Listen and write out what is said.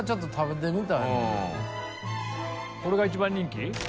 これが一番人気？